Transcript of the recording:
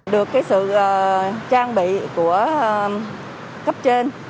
được sự trang bị của cấp trên